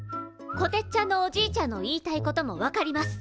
こてつちゃんのおじいちゃんの言いたいことも分かります。